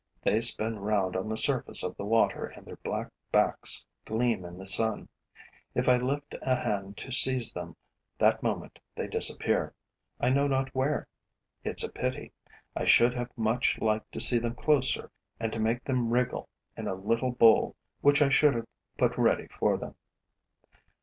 They spin round on the surface of the water and their black backs gleam in the sun. If I lift a hand to seize them, that moment they disappear, I know not where. It's a pity: I should have much liked to see them closer and to make them wriggle in a little bowl which I should have put ready for them.